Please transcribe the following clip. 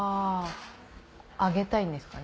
上げたいんですかね。